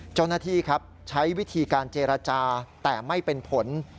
เจ้าหน้าที่ครับใช้วิธีการเจรจาแต่ไม่เป็นผล